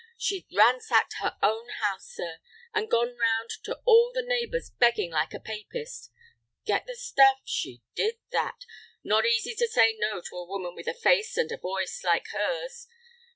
She'd ransacked her own house, sir, and gone round to all the neighbors begging like a papist. Get the stuff? She did that. Not easy to say no to a woman with a face and a voice like hers.